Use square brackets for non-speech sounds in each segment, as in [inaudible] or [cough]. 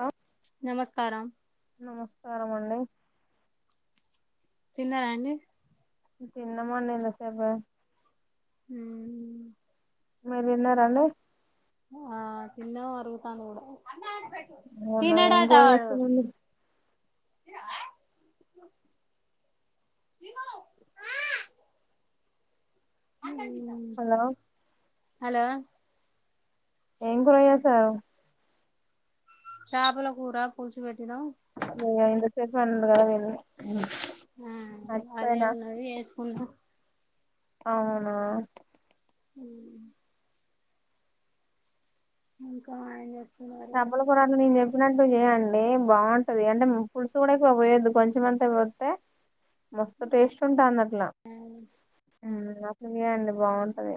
hello నమస్కారం సారంమండి తిన్నాడాండి తన్నమానేద సేవ ఉ మీరు తిన్నారండి ఆ తిన్నాం అరిగిపోయింది కూడా అవునా ఏం కూర [inaudible] చేస్తురండి వ హలో హలో ఏం కూర చేశారు చాపలా కూరా పల్సి పెట్టిన ఏ ఎంత సేపు అయింది [inaudible] ఆ అదే ఉన్నది వేసుకుంట అవునా ఉ ఇంకా ఏం చేస్తా చేపల కూర అంటే నేను చెపిన చేయండి బాగుంటది అంటే పులుసు కూడా ఎక్కువ పోయద్దు కొంచెంమంతా పోస్తే మొస్తం టేస్ట్ ఉంటన్నట్లా [inaudible] బాగుంటది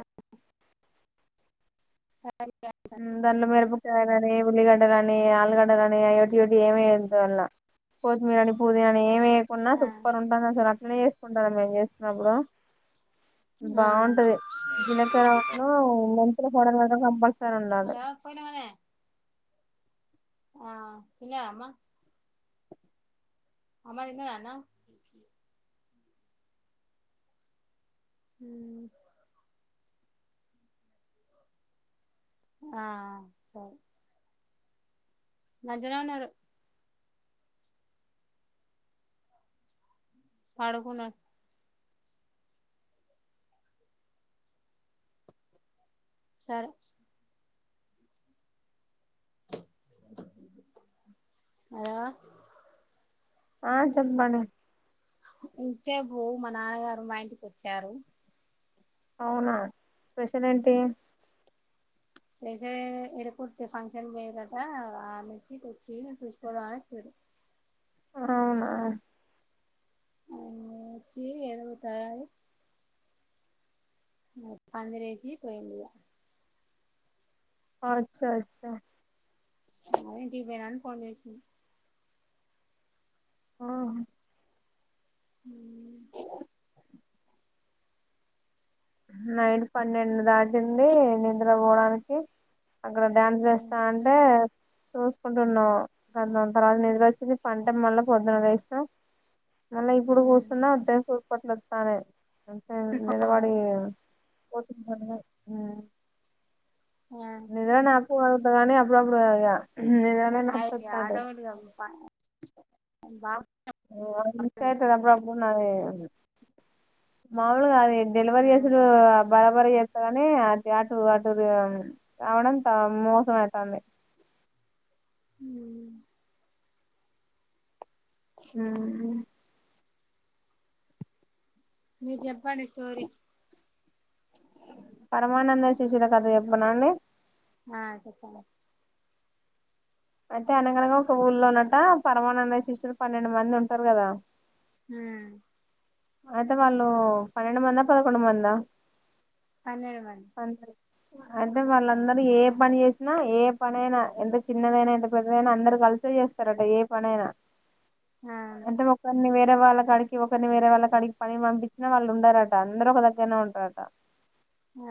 దాంట్లో మిరపకాయ కానీ ఉల్లిగడ్డ కాని ఆలుగడ్డలుని ఆయటి ఒకటి ఏమయందువల్ల కొత్తిమీర అని పుదీన అని ఏమియకుంన్నా ఆ సూపర్ ఉంటుంది అసలు అట్లనే చేసుకుంటాను మేము చే అప్పుడు ఆ బాగుంటది జీలకరన్న మెంతులు పౌడర్ మాత్రం కంపల్సరీ ఉండాలి [inaudible] [inaudible] [inaudible] హ ఆ సర మంచిగానే ఉన్నారు పడుకునారు సరే హలో ఆ చెప్పు భాను ఇంత సేపు మా నాన్నగారు మా ఇంటికి వచ్చారు అవునా స్పెషల్ ఏంటి స్పెషల్ ఏం వెనక ఊరికి ఫంక్షన్ పోయినారు ఆట ఆమెచ్చిక వచ్చి చూసిపోడం అని చూడు అవునా అచ్చి ఎరవ త [inaudible] పందిర వేసి పోయినారు అ అచ్చా ఫోన్ చేసిన [inaudible] ఆ హ నైట్ పన్నెండు దాటింది నిద్ర పోవడానికి అక్కడ డ్యాన్స్ చేస్తా అంటే చూసుకుంటున్నావు గంత తర్వాత ఎద్ర వచ్చింది పంట మళ్ళా పొద్దున్న చేసిన మళ్ళీ ఇప్పుడు కూర్చున్నా ఉద్దే చపట్ల వస్తానే ఆ ఉమ్ ఇదా నా అకు కానీ అప్పుడులా అప్పుడు ఇదను న పత్తాంట ఆటోమేటిక్గా [unintelligible] బాగా ఓ ఆ మిస్ అయితది అప్పుడు అప్పుడు పోన్ నాది మాములుగా అది ఇది డెలివరి చేసుడు ఆ బరాబరి ఎ తగానే అది అటు అటు రా రావడం తా మోసము అయితంది ఉ ఉహు మీరు చెప్పండి స్టోరి పరమానంద శిశుల కథ చెప్పానా అండి ఆ చెప్పండి అయితే అనగనగా ఒక ఊళ్ళో నాట పరమానంద శిష్యులు పన్నెండు మంది ఉంటారు కదా ఉ అయితే వాళ్ళు పన్నెండు మందా పదకొండు మందా పన్నెండు మంది అంటే వాళ్ళందరూ ఏ పని చేసినా ఏ పనైనా ఎంత చిన్నదైనా ఎంత పెద్దదైనా అందరు కలిసి ఇత్త చేస్తారట ఏ పనైనా అవును అంటే ఒకరిని వేరే వాళ్ళ కాడికి ఒకరి వేరే వాళ్ళకు క్కడికి పని పంపించినా వాళ్ళు ఉండారట అందరు ఒక దగ్గరనే ఉంటారట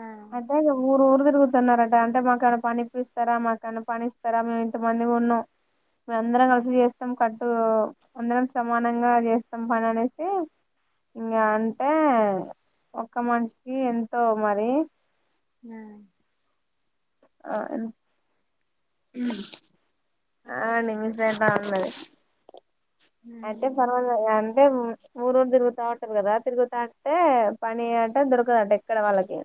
ఆ అదేగ ఊరు ఊరు ది తురుతున్నారట అంటే మాకు ఏమన్నా పని ఇప్పిస్తారా మాకన్నా పనిస్తారా మేము ఇంతమంది ఉన్నాం మేము అందరం కలిసి చేస్తాం కట్టు అందరం సమానంగా చేస్తాం పని అనేసి ఇంకా అంటే ఒక్క మనిషికి ఎంతో మరి న ఆం ఆ నిమిసయితా అన్నది అయితే పర్వన్నా యన్ దేమ్ ఊరుఊరు తిరుగుతా ఉంటారు కదా తిరుగుతా అంటే పని అంట దొరకదు అంట ఇక్కడ వాళ్ళకి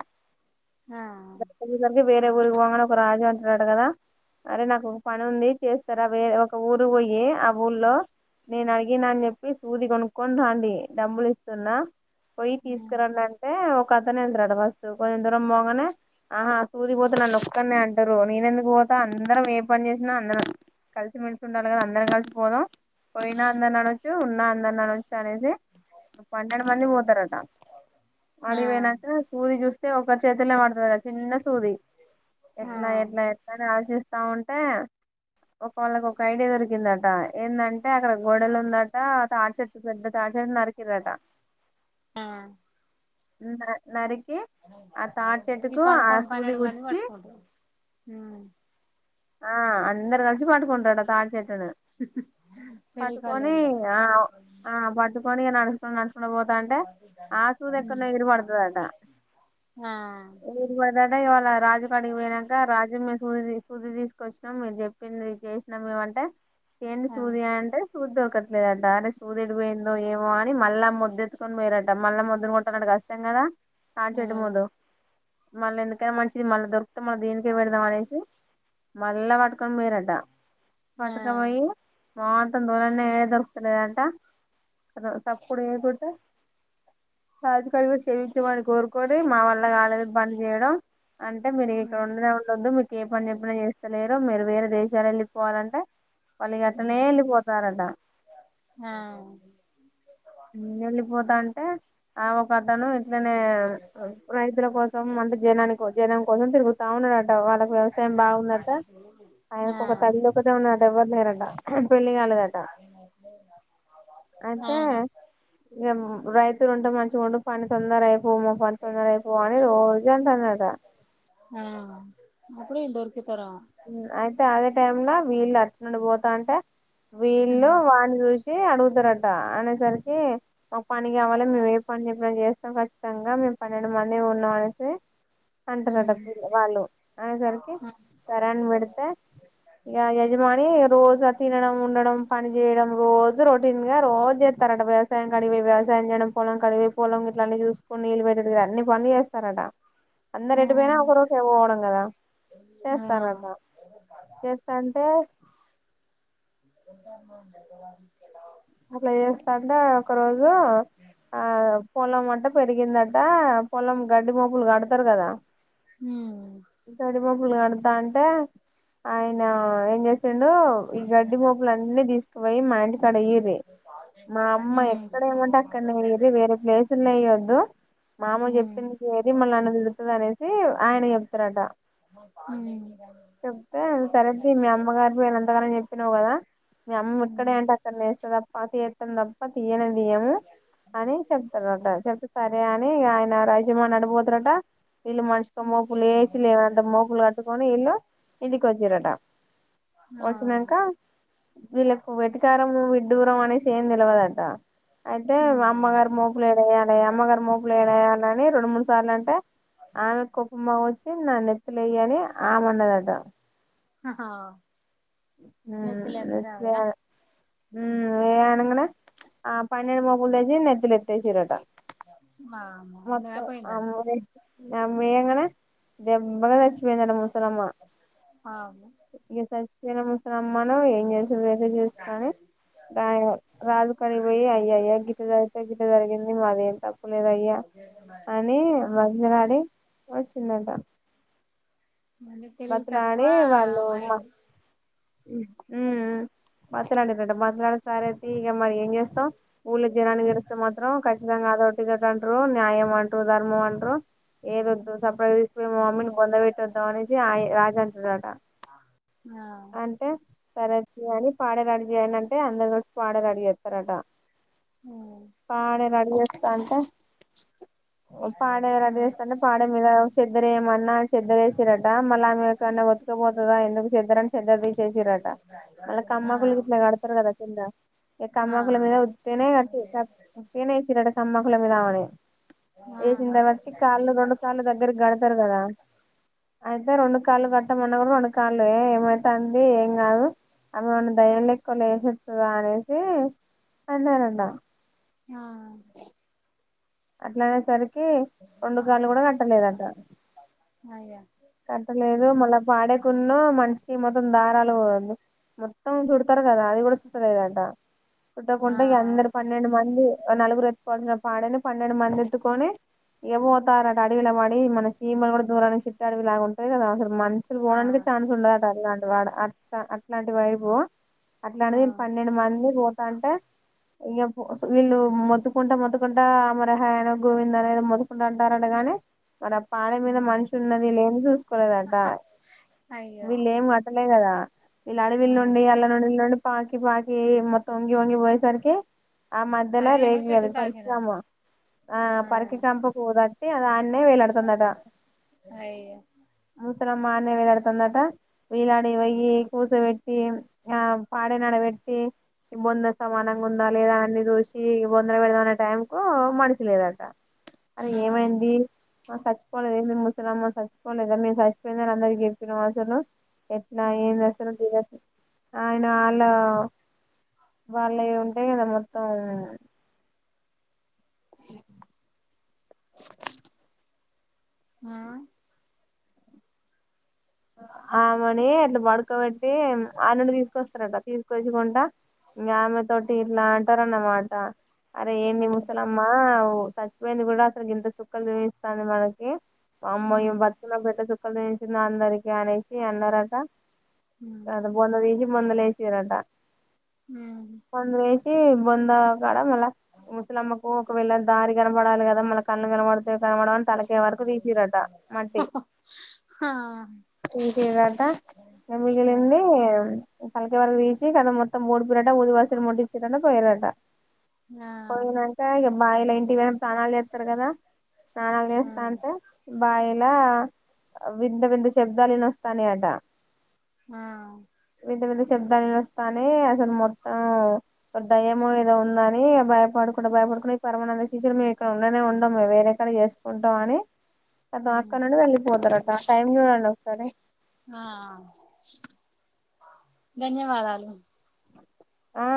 ఆ దొరికేసరికి వేరే ఊరుకి పోంగనే ఒక రాజు అంటడటా కదా అరే నాకు ఒక పని ఉంది చేస్తార వేర ఒక ఊరు పోయి ఆ ఊర్లో నేను అడిగిన అని చెప్పి సూది కొనుక్కొని రండి డబ్బులు ఇస్తున్నా పోయి తీసుకురండి అంటే ఒకఅతనే అంటాడ్రటా ఫస్ట్ కొంచెం దూరం పోగానే ఆహా సూదిపోతే నన్ను ఒక్కనే అంటారు నేనెందుకు పో తా అందరం ఏ పని చేసినా అందరం కలిసిమెలిసి ఉండాలి కదా అందరం కలిసిపోదాం పోయినా అందరిని అనచ్చు ఉన్నా అందరిని అనచ్చు అనేసి ఆ పన్నెండు మంది పోతారట ఆ అడిపోయినంకా సూది చూసి అయితే ఒకరి చేతుల్లో వడుతదట చిన్న సూది ఆ ఎట్లా ఎట్లా ఎట్లా అని ఆలోచిస్ వస్తా ఉంటే ఒకవేళకి ఒక ఐడియా దొరికిందట ఏందంటే అంటే అక్కడ గోడలు ఉందట అ తాడి చెట్టు పెద్ద తాడిచెట్టు నరికిరాట ఆ ఆ ఉన్ నరి గీ పదకొండు సూది పన్నెండు మంది గుచ్చి వట్టుకుంటరు ఆ అందరు కలిసి పట్టుకుంటారట తాడిచెట్టు ఆ పట్టుకొని తెలికలోళ్ళు ఆ ఆ పట్టుకొని నడుసుకుంట నడుసుకుంట పోత్ ఉ ఏరుదట ఇవాళ రాజు కాడకి పోయినాక రాజుమ సూదిది సూది తీసుకొచ్చినాం మీరు చెప్పింది చేసినాం ఏమంటే ఏంది ఆ సూది అంటే సూద్ దొరకట్లేదు అంట అరే సూది ఎటు పోయిందో ఏమో అన్ నీ మళ్ళా మొద్దు ఎత్తుకొని పోయిరట మళ్ళా మొద్దును కొట్టడం అంటే కష్టం కదా ఆ అంటేటి మొద్దు మళ్ళీ ఎందుకైనా మంచిది మళ్ళీ దొరుకుతే మన దీనికే పెడదాం అనేసి మళ్ళ వాట్ పట్టుకొని పోయిరాట ఆ పటుకపోయి మాత్ ఇక మాన్నే దొరుకుతలేదంట తన సప్పుడు చేయకుంట రాజు కాడికి పోయి క్షమించమని కోరు కోరి మా వల్ల కాలేదు పని చేయడం అంటే మీరు ఇక్కడ ఉండనే ఉండద్దు మీకు ఏ పని చెపు చేస్తలేరు మీరు వేరే దేశాలు ఎళ్ళిపోవాలంటే వాళ్లు గట్టనే వెళ్ళిపోతారట వెళ్ళిపోతా అంటే ఆ ఒక అతను ఇనే రైతుల కోసం అంత జనానికి జనం కోసం తిరుగుతా ఉన్నాడంట వాళ్ళకి బాగున్నట ఆ ఆయనకు ఒక తల్లి ఒకదే ఉన్నట ఎవ్వరు లేరట పెళ్లి కాలేదట లే అయితే ఇగ రైతులు ఉంటే మంచిగుండు పని తొందరై అంటాండట ఆ అప్పుడు ఈళ్లు దోర్ అయితే అదే టైం లో వీళ్ళు అట్నుండి పోతాంటే వీళ్లు వాన్ని చూసి అడుగుతారట అనేసరికి మాకు పని కావలే మేము ఏ పని చెప్పిన చేస్తాం ఖచ్చితంగా మేము పన్నెండు మంది ఉన్నాం అనేసి అంటరట ఆ వాళ్ళు అనేసరికి వరం పెడితే ఇగ యజమాని రోజా తినడం ఉండడం ప పని చేయడం రోజు రొటీన్గా చేస్తారట వ్యవసాయం కడివి వ్యసాయం చేయడం పొలం కడి పొలం జె పని చూసుకొని నీళ్ళు పెట్టటి అన్ని పలు చేస్తారట అందరు ఎటు పోయినా ఒకరోకే పోవడం కదా చేస్తారట ఆ చేస్తాంటే ఒ ఉందమా అవించ ఒకరోజోస్తంటే ఒక రోజు ఆ పొలం అంట పెరిగిందటా పొలం గడ్డి మొప్పులు కడతారు కదా హ్మ్ గడ్డి మోపులు కడతా అంటే ఆయన ఏం చేస్త డు ఈ గడ్డి మూపులు అన్నీ తీసుకుపోయి మా ఇంటి కడ ఏయి మా అమ్మ ఎక్కడ ఏమంటే అక్కడనే అయ్యిర్రి వేరే ప్లేసుల్నే ఎయ్యొద్దు మామ ఉమ్ చెప్పింది జేయ్యిర్రి మల్లి నన్ను తిడటదట అనేసి ఆయన చెప్తుారట చెప్తే సరె మీ అమ్మగారుంతగానం చెప్పినావు కదా మీ అమ్మ ఎక్కడే అంటే అక్కడనేేస్తదప్ప తప్ప తీయ ము అని చెప్తారట చెప్ సరే అని ఆయన రాజామాని అడిపోతరట ఇళ్లు మనిషి కో మోపులు వేసి లేవంత మోపులు కట్టుకొని ఇల్లు ఇంటికి ఒచ్చిరట ఆ వచ్చినంక వీళ్ళకు వెటికారము విడ్డూరం అనేసి ఏం తెలవదంట అయితే అమ్మగారు మోపులు ఏడుయాలి అమ్మగారు మోపులు ఏడయ్యాలిని రెండు మూడు సార్లు అంటే ఆమె కోపంబాగొచ్చి నా నెత్తులేయ అని ఆమన్నదడట హ హ అకే మ్మ్ ఏయి అనంగానే ఆ పన్నెడు మోపుల్ తెచ్చి నెత్తినేతేషిరంట అ మొత్తం ఆమమ్మ ఏయంగానే దేబ్బగా సచ్చిపోయిందంట ముసలమ్మ వామ్మో జిన ముసలమ్మను ఏం చేస్తా నువ్వితే చేసుకొని రాజు కాడిపోయి అయ్యా అయ్యా గిట్ట గిట్ట జరిగింది మదెం తప్పు లేదయ్యా అని బతిమిలాడి వచ్చిందట మన తెలివి తక్కువ బతిమిలాడి అమాయి మాట్లాడిందంట మాట్లాడు సరే తియ్ ఇగ మరి ఏం చేస్తాం ఊళ్ళ జనానికి తెరుస్తే మాత్రం ఖచ్చితంగా అద గదాంటరు న్యాయ అంటు ధర్మం అంటు ఏడోద్దు సప్పుడేక తీసుకపోయి మమమ్మీ ని బొందవెట్టొదామని ఇ ఆ రాజ అంటడంట ఆ అంటే సరే తీయి అని పాడేరడి చేయండి అంటే అందరు కలిసి పాడేరడి చేస్తారంట పాడే నడు చేస్తా అంటే పాడే రడ్ ఆ చేస్తంటే పాడ మీద చెద్దర ఏమన్నా చెద్దరేసి రడ్ మళ్ళ ఆమెకన్నా బతుకపోతదా ఎందుకు సిద్ద్దరని సిద్ద్ది తీసేసారట మళ్ళ ఆ కమ్మకుళకి ఇట్లా కడతారు కదా కింద ఇగ ఆ కమ్మకుల మీద ఉత్తినే కట్టి ఉత్తినే వేసిరు అంట కమ్మకుల మీద అవని వేసిన తర్వాత కాళ్ళు రెండు కాళ్ళ దగ్గరకి గడతారు కదా అయితే రెండు కాళ్లు కట్టమన్న కూడా రెండు కాళ్లు ఏ ఏమ తంది ఏంగాదు ఆమె ఏమన్నా దయ్యం లెక్క లేసోస్తదా అనేసి అన్నారాంట ఆ అట్ల అనే సరి కి రెండు కాళ్లు కూడా కట్టలేదట అయ్యో కట్టలేదు మళ్ళా పాడేయకుండా మనిషికి మొత్తం దారాలు పోంది మొత్తం చుడతారు కదా అది కూడా చుట్టలేదంట ఆ చుట్టకుండా అందరు పన్నెండు మంది నలుగురు ఎత్తుకోవాల్సిన పాడని పన్నెండు మంది ఎత్తుకొని ఇక పోతారు అట అడవిల పడి మన చీమలు కూడా దూరనీ చిట్టు అడవి లా ఉంటుంది కదా అస మనుషులు ఆ పోవడానికి ఛాన్స్ ఉండదుట అలాంటి వాడు అ అట్లాంటివైపు ఆ అట్లాంటిది పన్నెండు మంది పోతంటే ఇగ వీళ్ళు మొత్తుకుంట మొత్తుకుంట మరహాయన గోవింద్ అనేది మొత్తుకుంట అంటార అంట గాని మళ్ళ పాడే మీద మనిషి ఉన్నది లేని చూసుకోలేదట అయ్యో వీళ్ళ ఏం కట్టలే కదా వీళ్ళు ఆ అడవిల్ నుండి ఆళ్ల నుండి పాకి పాకి మొత్తం వంగి వంగి పోయేసరికి ఆ మధ్యలో అదే ఎన్నో రేగిగదు చెట్టుకు పరిశ్రమ తాకినట్టుంది ఆ పరికి కంప పోదంటే అది అన్నే వేలాడుతుందట అయ్యో మానే వేలాడుతుందట వేలాడి పోయి కూసుబేట్టి ఆ పాడేనాడ పెట్టి బొంద సమానంగా ఉందా లేదా అన్ని చూసి బొందలు పెడదామనే టైం కు మడిచలేదట అరే ఆ ఏమైంది చచ్చిపోవలేదు ఏ అమ్మ చచ్చిపోలేదా మీరు చచ్చిపోయినని అందరికీ చెప్పిన అసలు ఎట్లా ఆ ఏంది అసలు ఆయన అలా వాళ్ళు ఏ ఉంటాయి కదా మొత్తం అ ఆ ఆమెని అట్లా బడుకోబెట్టి ఆడ నుండితీసుకొస్తారట తీసుకొచ్చకుంట ఇంకా ఆమె తోటి ఇట్లా అంటారన్నమాట అరే ఏంటి ఆ ముసలమ్మ చచ్చిపోయింది కూడా అసలు ఇంత చుక్కాలు చూపిస్తాంది మనకి అమ్మో ఈమె బతుకులో పెద్ద చుక్కలు చూపించింది అందరికి నేసి అన్నారట బొంద తీస బొందలో వేసిర్రట ఉమ్ వచ్చి బొందగాడ మళ్ళ ముసలమ్మకు ఒకవేళ దారి కనపడాలి కదా మళ్ళ కన్ను కనపడితే [unintelligible] తలకాయ్ వరకు తీసిర్రట మట్టి ఆ ఆ వినిపిదట ఇగ మిగిలింది పలకే వరకు తీసి కద మొత్తం ఓడిపోరాట ఊది వాసలు ముట్టించిరు అంట పోయరాట పోయినాక ఇక బావిలో ఇంటికి పోయినాక స్నానాలు చేస్తారు కదా స్నానాలు చేస్తా అంటే బాయి లా వింత వింత శబ్దాలు వినిపిస్తున్నాయట ఆ శబ్దాలు వినిపిస్తున్నాయి అసలు మొత్తం దయ్యము ఏదో ఉందని భయపడుకుంట భయ డు పరమానంద శిష్యుడు మేము ఇక్కడ ఉండనే ఉండం మేము వేరేకాడ చేసుకుంటాం అని అద్దో అక్కడి నుండి వెళ్ళపోతారటా టైమ్ చూడండి ఒకసారి ఆ ధన్యవాదాలు ఆ ఆ